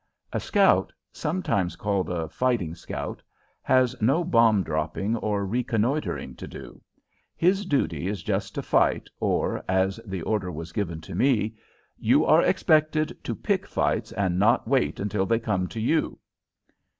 A scout, sometimes called a fighting scout, has no bomb dropping or reconnoitering to do. His duty is just to fight, or, as the order was given to me, "You are expected to pick fights and not wait until they come to you!"